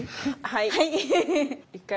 はい。